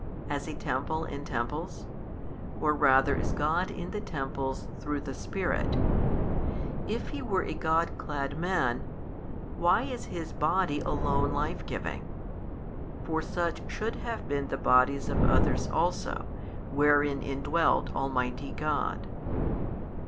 as a Temple in temples? or rather as God in the temples through |213 the Spirit? If He were a God clad man, why is His Body alone Life giving? for such should have been the bodies of others also, wherein indwelt Almighty God.